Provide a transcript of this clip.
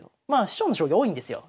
師匠の将棋多いんですよ。